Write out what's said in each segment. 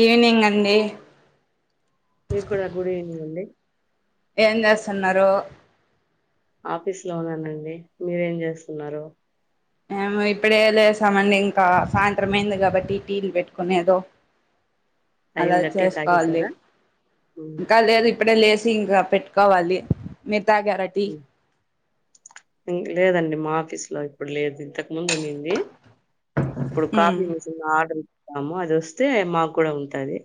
Evening అండి మీకు కూడా గుడ్ ఈవినింగ్ అండి. ఏం చేస్తున్నారు ఆఫీస్ లో ఉన్నానండి మీరేం చేస్తున్నారు మేము ఇప్పుడే లేసామండి ఇంకా సాయంత్రం అయింది కాబట్టి టీ లు పెట్టుకునే దో అలా అయిందా టీ చేసుకోవాలి తాగేసారా? హ్మ్. ఇంకా లేదు ఇప్పుడే లేస్ ఇంకా పెట్టుకోవాలి మీరు తాగారా టీ మ్ లేదండి మా ఆఫీస్ లో ఇప్పుడు లేదు ఇంతకు ముందు ఉండింది ఇప్పుడు ఉమ్ కాఫీ మిషన్ ఆర్డర్ ము అది వస్తే మాకు కూడా ఉంటది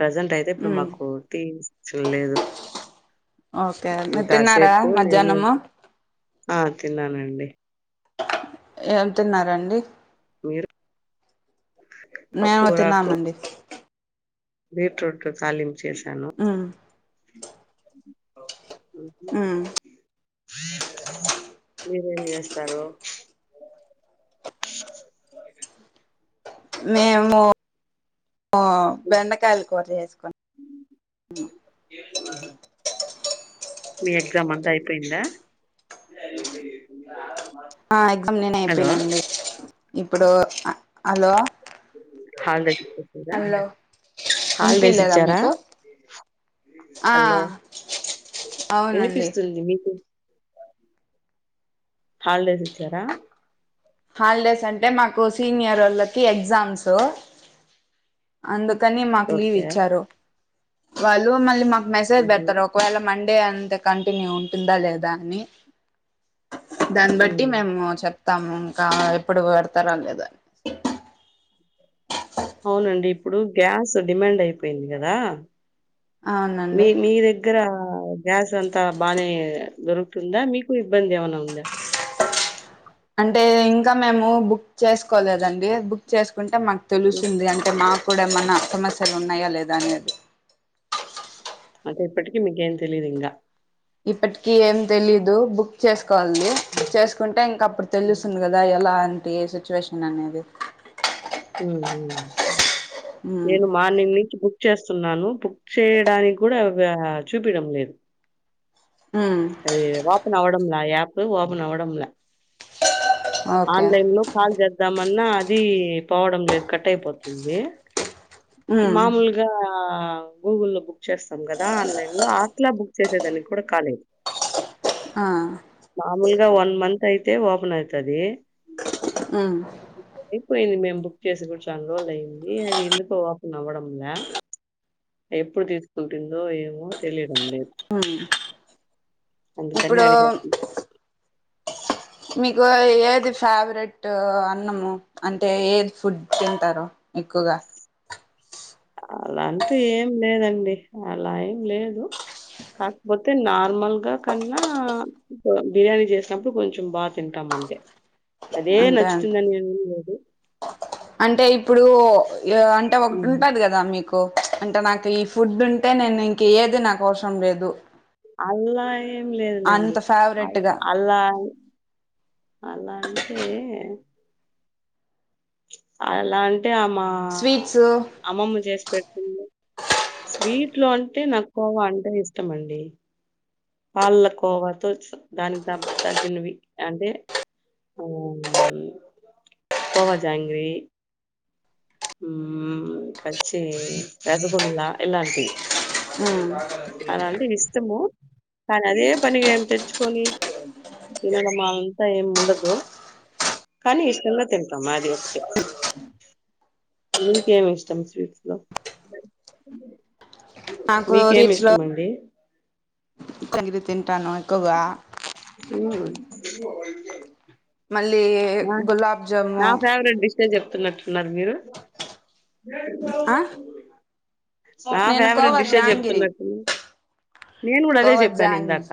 ప్రజెంట్ అయితే ఇప్పుడు ఉమ్ మాకు టీ ఇస్ లేదు ఓకే మీరు తీన్నారా ఉ నేను ఆ తిన్నానండి ఏం తిన్నారండి మీరు? మేము తీన్నామండి బీట్ రూట్ తాలీంప్ చేశాను ఉమ్ ఉహు ఉమ్ మీరేం చేస్తారు. మేము బెండకాయలు కూర చేసుకొని మీ ఎగ్జామ్ అంతా అయిపోయిందా. ఆ ఎగ్దామ్ నేనే హలో! అయిపోయినండి. ఇప్పుడు హలో హాలిడేస్ ఇచ్చరా, హలో హాలిడేస్ వినిపిలేదా ఇచ్చారా మీకు ఆ హలో అవునండి వినిపిస్తుంది మీకు హాలిడేస్ ఇచ్చారా హాలిడేస్ అంటే మాకు సీనియరోళ్ళకి ఎగ్జామ్స్ అందుకు కానీ మాకు లీవ్ ఓకే ఇచ్చారు. వాళ్ళు మళ్ళీ మాకు మెసేజ్ ఉహు పెడతారు ఒకవేళ డే అంత కంటిన్యూ ఉంటుందా లేదా అని, దాన్ని బట్టి ఉమ్ మేము చెప్తాము. ఇంకా ఎప్పుడు పెడతరా లేదని అవునండి ఇప్పుడు గ్యాస్ డిమాండ్ అయిపోయింది కదా. మీ అవునండి మీ దగ్గర గ్యాస్ అంతా బానే, దొరుకుతుందా మీకు ఇబ్బంది ఏమన్నా ఉందా. అంటే ఇంకా మేము బుక్ చేసుకోలేదండి, బుక్ చేసుకుంటే మాకు మ్. తెలుస్తుంది, అంటే మాకు కూడా ఏమన్నా సమస్యలు ఉన్నాయా లేదా అనేది. అంటే ఇప్పటికి మీకేం తెలిదు ఇంకా ఇప్పటికి ఏం తెలీదు. బుక్ చేసు కోవాలి. చేసుకుంటే ఇంక అప్పుడు ఉమ్ తెలుస్తుంది కదా ఎలాంటి ఏ సిచ్యువేషన్ అనేది. ఉహు మ్మ్ నేను మార్నింగ్ నుంచి బుక్ చేస్తా నను నన్ను బుక్ చేయడానికి కూడా ఏ వ్వ చూపియడం లేదు. మ్మ్ అది ఓపన్ అవడంలే ఆ యాప్ ఓపన్ అవడంలే. ఓకే ఆన్లైన్లో లో కాల్ చేద్దామన్నా అది పోవడం లేదు కట్ అయిపోతుంది. మ్మ్ మామూలుగా గూగుల్లో బుక్ చేస్తాం కదా ఆన్లైన్లో అట్లా. చేసేదానికి కూడా కాలేదు. ఆ మామూలుగా వన్ మంత్ అయితే ఓపెన్ అయితది. మ్మ్ అయిపోయింది మేము బుక్ చేసి చాలా రోజులు లేయింది. అది ఎందుకో ఓపెన్ అవ్వడంలే ఎప్పుడు తీసుకుంటుందో ఏమో తెలియడంలే. హ అందుకనే అడిగా మీకు ఏది ఫేవరెట్ అన్నము అంటే ఏది ఫుడ్ తింటారు. ఎక్కువగా అలాంటి ఏం లేదండి అలా ఏం లేదు. కాకపోతే నార్మల్ గా కన్నా బిర్యానీ చేసినప్పుడు కొంచెం బా తింటాం. అంతే అదే అంతే అంట నచ్చుతుందని ఏమిలేదు. అంటే ఇప్పుడు ఇగ అంటే ఒకటి ఉంటాది కదా. అంటే నాకు ఈ ఫుడ్ ఉంటే నేను ఇంక ఏది నాకు అవసరం లేదు. అల్లా నే ఏం లేదులేండి. అంత ఫేవరెట్ గా అల్లా అలా అంటే, అలా అంటే మా స్వీట్స్ అమ్మమ్మ చేసి పెట్ స్వీట్లో అంటే నాకు కోవా అంటే ఇష్టమండి. పళ్ళకోవాతో దాని తగ తగ్గినవి అంటే, కోవ, జాంగ్రి. మ్మ్ కచ్చే రసగుల్లా ఇలాంటివి. మ్మ్ అలాంటి ఇష్టము కానీ అదే పనిగా ఏమి తెచ్చుకొని. [unintelligible] కానీ ఇష్టంగా తింటాం మాది వత్తే ఇంక ఏమి ఇష్టం స్వీట్స్ లో నాకు మీకేమీ ఇష్టమండి. కోనివి తింటాను ఎక్కువగా ఊ మళ్లీ గులాబ్ జాము నిజం చెప్తున్నట్టున్నారు మీరు ఆ నా నేను ఫేవరెట్ కోవా డిశే జాంగిరి చెప్తున్నట్. నేను కూడా అదే కోవా చెప్పాను జాంగిరి ఇందాక.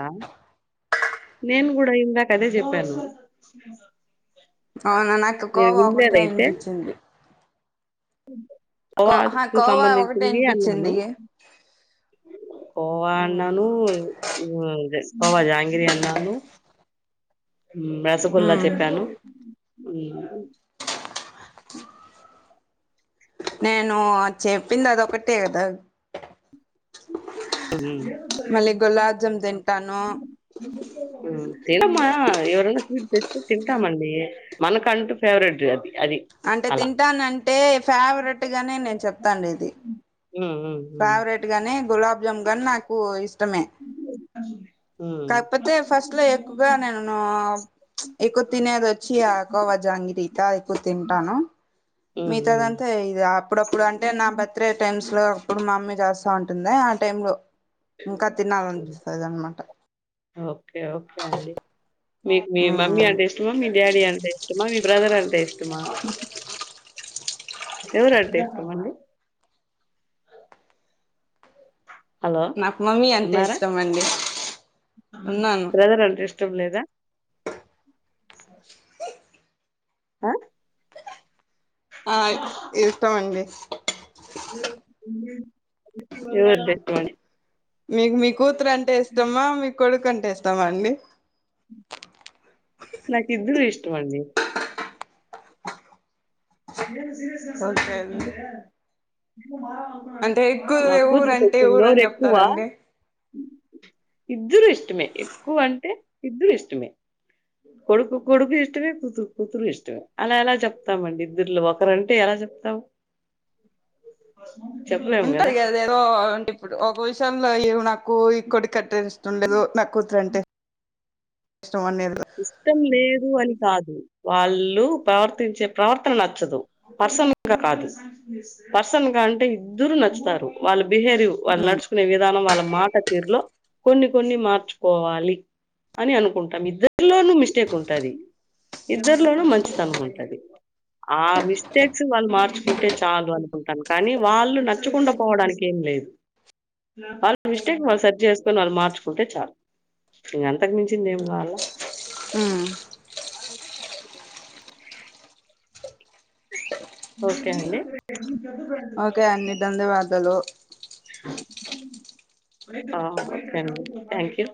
నేను కూడా ఇందాక అదే చెప్పాను అవునా నేను నాకుక్కువ ఒకటి ఆయినకిచ్చింది ఓకు కోవా ఒకటే సంబంధించింది అన్నాను అనిపించింది కోవా మ్మ్ అన్నాను కోవా జహాంగిరి అన్నాను రసగుల్లా మ్మ్ చెప్పాను నేను అచ్చే పిందతో కట్టే కద ఉమ్. మళ్ళీ గులాబ్ జామ్ తింటాను తినమా ఎవరైనా స్వీట్ చేస్తే తింటామండి మనక అంటూ ఫేవరెట్ అది అది అంటే అలా తింటానంటే ఫేవరెట్గానే నేను చెప్తాను ఇది హ్మ్. హ్మ్. హ్మ్. ఫేవరెట్ గానీ గులాబ్ జామ్ గానీ నాకు ఇష్టమే ఆ కాకపోతే ఫస్ట్ లో ఎక్కువగా నేను ఎక్కువ తినేది వచ్చి కోవ జాంగ బీతాయికు తింటాను హ్మ్. మిగతాద హ్మ్. అంతా ఇది అప్పుడప్పుడు అంటే నా బర్త్డే టైమ్స్ లో అప్పుడు మా మమ్మీ చేస్తా ఉంటుంది ఆ టై లో ఇంకా హ్మ్. తినాలనిపిస్తుంది అనమాట ఓకే ఓకే అండి మీకు మీ మమ్మీ ఉమ్ అంటే ఇష్టమా మీ డాడీ అంటే ఇష్టమా ఇష్టమా మీ బ్రదర్ అంటే ఇష్టమా ఎవరు ఆంటె ఇష్టమాండి అ నాకు మమ్మీ అంటే ఉన్నారా ఇష్టం అండి ఉన్నాను బ్రదర్ అంటే ఇష్టం లేదా ఆ ఆ ఇష్టమండి ఎవద్దట్ మ మీకు మీ కూతురు అంటే ఇస్తమా మీ కొడుకు అంటే ఇస్తామా అండి నాకు ఇద్దారూ ఇష్టమడి ఏను సీరియస్గా సర ఓకే అండి చెతునారు అంటే ఎక్కువ మాక్కువ ఊరంటే చూపచ్చు దోరు ఊరని ఎక్కువ చెప్తారండి ఇద్దరు ఇష్టమే ఎక్కువ అంటే ఇద్దరు ఇష్టమే కొడుకు కొడుకు ఇష్టమే కూతురు కూతురు ఇష్టమే అలా ఎలా చెప్తామండి ఇలో ఒకరుంటే ఎలా చెప్తావు ఉంటారు కదా ఏదో ఇప్పుడు ఒక విషయంలో ఏ నాకు ఇ కొడి కట్ ఇష్టం లేదు నా కూతురు అంటే ఇష్టం అనేది ఇస్తల్ అని కాదు వాళ్ళు ప్రవర్తించే ప్రవర్తన నచ్చదు పర్సనల్ గా కాదు పర్సన్ గా అంటే ఇద్దరు నచ్చుతారు వాళ్ళు బిహేరివ్ వాళ్ళు నడుచుకునే విధానం వాళ్ళ మాట తీరులో కొన్ని కొన్ని మార్చుకోవాలి అని అనుకుంటాం ఇద్దరు ఇద్దలోనూ మిస్టేక్ ఉంటది ఇద్దరులోనూ మంచితనం ఉంటది ఆ మిస్టేక్స్ వాళ్ళు మార్చుకుంటే చాలు అనుకుంటాను కానీ వాళ్ళు నచ్చకుండా పోవడానికి ఏమి లేదు వాళ్ళ మిస్టేక్ వాళ్ళు సర్జ చేసుకొని వాళ్ళు మార్చుకుంటే చాలు ఇక అంతకు మించింది ఏం కావాల ఓకే అండి ఓకే అన్ని ధన్యవాదలు ఆ ఓకే థ్యాంక్ యూ